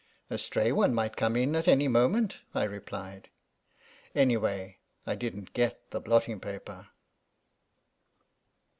"A stray one might come in at any moment," I replied. Anyway, I didn't get the blotting paper.